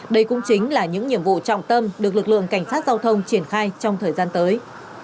đây cũng chính là những nhiệm vụ trọng tâm được lực lượng cảnh sát giao thông triển khai trong thời gian tới